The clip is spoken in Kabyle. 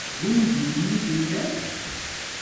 D ungifen i tellam?